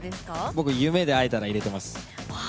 僕は「夢で逢えたら」に入れています。